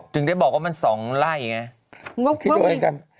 ถึงได้บอกมันเป็น๒ไร่แง่